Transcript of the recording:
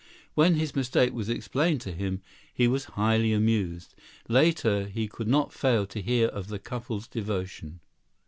When his mistake was explained to him, he was highly amused. Later he could not fail to hear of the couple's devotion.